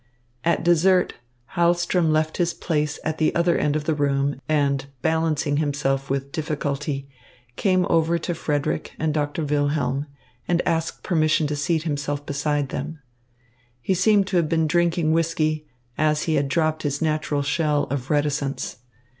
At dessert Hahlström left his place at the other end of the room and, balancing himself with difficulty, came over to Frederick and Doctor Wilhelm, and asked permission to seat himself beside them. He seemed to have been drinking whisky, as he had dropped his natural shell of reticence.